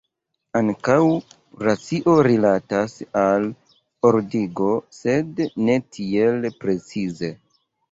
Ankaŭ racio rilatas al ordigo, sed ne tiel precize.